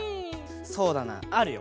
そうだなあるよ！